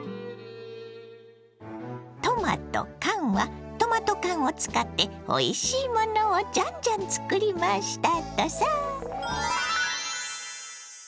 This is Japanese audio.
トマとカンはトマト缶を使っておいしいものをジャンジャン作りましたとさ。